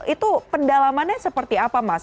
itu pendalamannya seperti apa mas